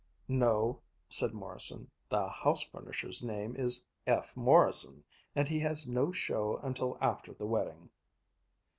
"No," said Morrison, "the house furnisher's name is F. Morrison, and he has no show until after the wedding."